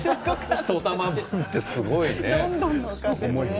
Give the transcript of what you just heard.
１玉分ってすごいね。